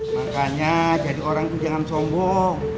makanya jadi orang itu jangan sombong